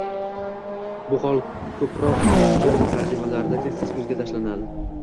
Bu hol koʻproq turkchadan tarjimalarda tez-tez koʻzga tashlanadi